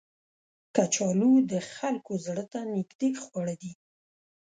کچالو د خلکو زړه ته نیژدې خواړه دي